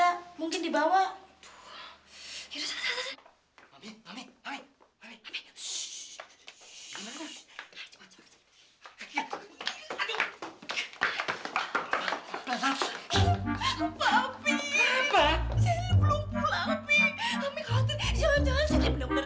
ami khawatir jangan jangan si ini benar benar kabur